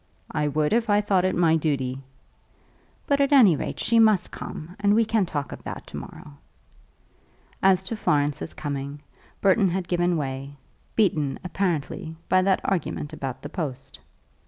"I would if I thought it my duty." "But at any rate, she must come, and we can talk of that to morrow." As to Florence's coming, Burton had given way, beaten, apparently, by that argument about the post.